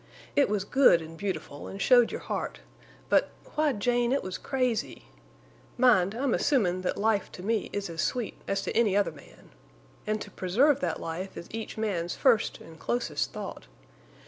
It was good an' beautiful, an' showed your heart—but—why, Jane, it was crazy. Mind I'm assumin' that life to me is as sweet as to any other man. An' to preserve that life is each man's first an' closest thought.